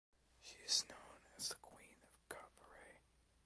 She is known as the Queen of Cabaret.